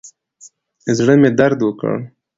زړه مې درد وکړ.